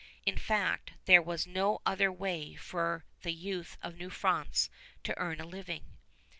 In fact, there was no other way for the youth of New France to earn a living.